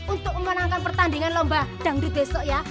untuk memenangkan pertandingan lomba dangdut besok ya